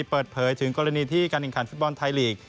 เปิดเผยถึงกรณีที่การแข่งขันฟุตบอลไทยลีก